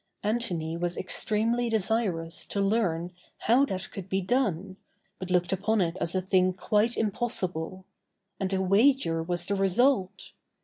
Antony was extremely desirous to learn how that could be done, but looked upon it as a thing quite impossible; and a wager was the result.